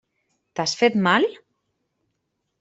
T'has fet mal?